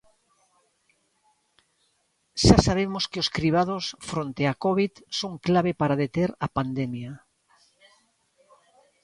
Xa sabemos que os cribados fronte á covid son clave para deter a pandemia.